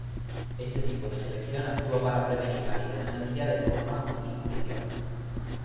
Este tipo de selección actúa para prevenir la divergencia de forma y función.